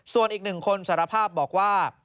ส่วนอีกหนึ่งคนสารภาพบอกว่า